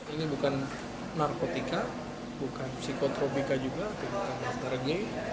ini bukan narkotika bukan psikotropika juga bukan antarengi